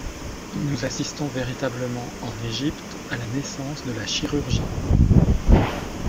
Nous assistons véritablement en Égypte à la naissance de la chirurgie.